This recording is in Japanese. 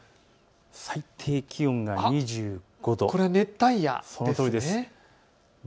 最低気温が２５度、これは熱帯夜ですね。